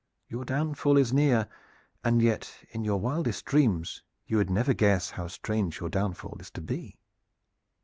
Your downfall is near, and yet in your wildest dreams you would never guess how strange your downfall is to be.